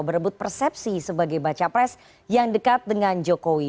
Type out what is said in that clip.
berebut persepsi sebagai baca pres yang dekat dengan jokowi